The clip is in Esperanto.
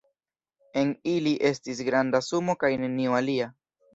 En ili estis granda sumo kaj nenio alia.